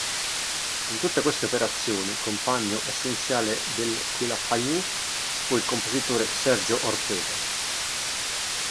In tutte queste operazioni compagno essenziale dei Quilapayún fu il compositore Sergio Ortega.